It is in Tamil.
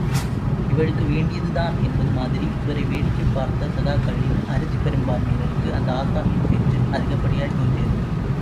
இவளுக்கு வேண்டியதுதான், என்பதுமாதிரி இதுவரை வேடிக்கைப் பார்த்த சகாக்களில் அருதிப் பெரும்பான்மையினருக்கு அந்த ஆசாமியின் பேச்சு அதிகப்படியாய் தோன்றியது.